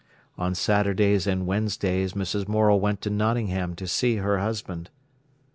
On Saturdays and Wednesdays Mrs. Morel went to Nottingham to see her husband.